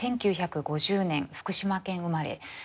１９５０年福島県生まれ。